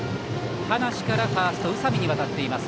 端無からファースト宇佐美に渡っています。